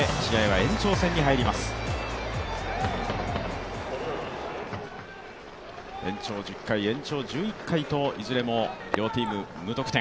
延長１０回、延長１１回といずれも両チームとも無得点。